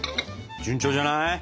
順調じゃない？